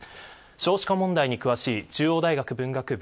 少子化問題に詳しい中央大学文学部